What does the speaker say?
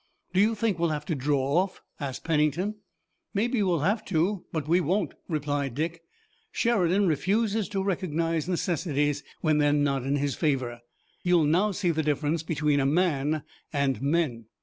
"Do you think we'll have to draw off?" asked Pennington. "Maybe we'll have to, but we won't," replied Dick. "Sheridan refuses to recognize necessities when they're not in his favor. You'll now see the difference between a man and men."